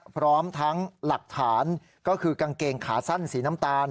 พร้อมทั้งหลักฐานก็คือกางเกงขาสั้นสีน้ำตาล